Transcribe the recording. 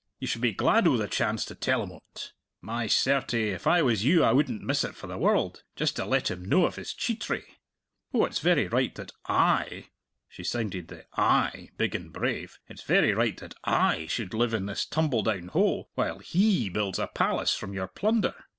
You should be glad o' the chance to tell him o't. My certy, if I was you I wouldn't miss it for the world just to let him know of his cheatry! Oh, it's very right that I" she sounded the I big and brave "it's very right that I should live in this tumbledown hole while he builds a palace from your plunder!